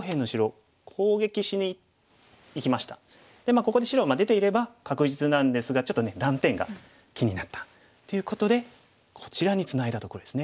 ここで白は出ていれば確実なんですがちょっとね断点が気になったということでこちらにツナいだとこですね。